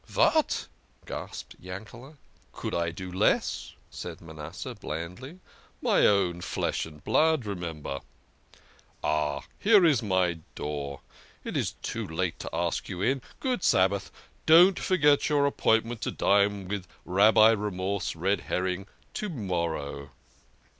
" What !" gasped Yankee. " Could I do less ?" said Manasseh blandly. " My own flesh and blood, remember ! Ah, here is my door. It is too late to ask you in. Good Sabbath ! Don't forget your appointment to dine with Rabbi Remorse Red herring to morrow."